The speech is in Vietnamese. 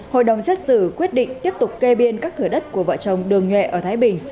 hội đồng xét xử quyết định tiếp tục kê biên các thửa đất của vợ chồng đường nhuệ ở thái bình